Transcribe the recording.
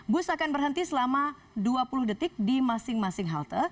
bus akan berhenti selama dua puluh detik di masing masing halte